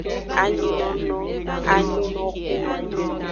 Anyinono, anyinoxu.